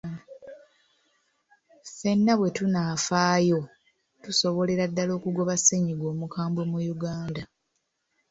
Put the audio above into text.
Ffenna bwe tunaafaayo, tusobolerera ddala okugoba ssennyiga omukambwe mu Uganda.